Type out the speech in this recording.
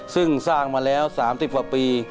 ซึ่งสร้างมาแล้ว๓๐กว่าปี